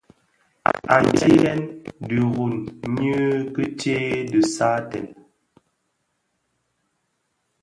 Antseyèn dirun nyi ki tsee dhi saaten.